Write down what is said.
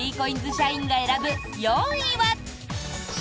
社員が選ぶ４位は。